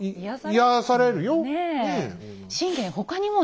癒やされるよねえ。